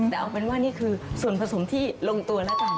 แต่เอาเป็นว่านี่คือส่วนผสมที่ลงตัวแล้วกัน